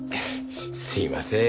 すいません。